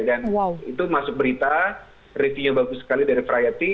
dan itu masuk berita reviewnya bagus sekali dari variety